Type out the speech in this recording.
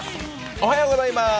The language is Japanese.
おはようございます。